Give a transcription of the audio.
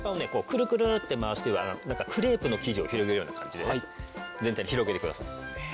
くるくるって回してなんかクレープの生地を広げるような感じで全体に広げてください。